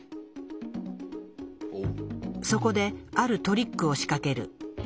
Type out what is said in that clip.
そこであるトリックを仕掛ける。